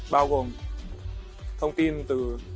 bao gồm thông tin từ